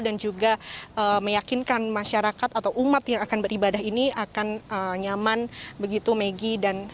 dan juga meyakinkan masyarakat atau umat yang akan beribadah ini akan nyaman begitu megi dan saya